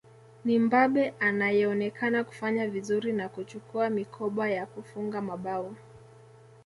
Ni Mbabe anayeonekana kufanya vizuri na kuchukua mikoba ya kufunga mabao